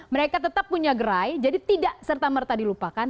mereka tetap punya gerai jadi tidak serta merta dilupakan